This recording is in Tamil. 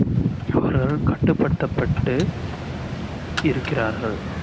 அவர்கள் கட்டுப்படுத்தப் பட்டு இருக்கிறார்கள்.